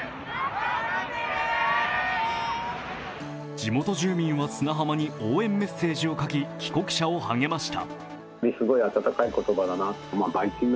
地元住民は砂浜に応援メッセージを書き帰国者を励ました。